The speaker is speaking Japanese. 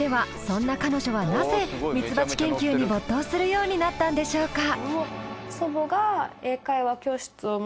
そんな彼女はなぜミツバチ研究に没頭するようになったんでしょうか。